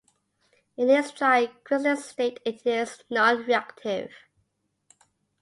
In its dry, crystalline state it is nonreactive.